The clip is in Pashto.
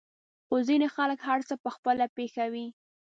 خو ځينې خلک هر څه په خپله پېښوي.